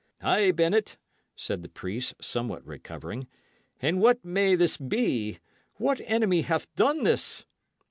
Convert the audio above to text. "Ay, Bennet," said the priest, somewhat recovering, "and what may this be? What enemy hath done this?"